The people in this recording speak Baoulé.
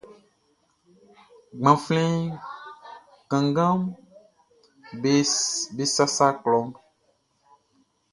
Gbanflɛn kannganʼm be sasa klɔʼn.